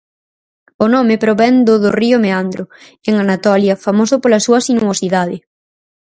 O nome provén do do río Meandro en Anatolia famoso pola súa sinuosidade.